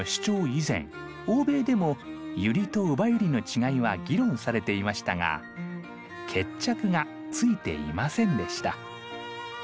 以前欧米でもユリとウバユリの違いは議論されていましたが決着がついていませんでした。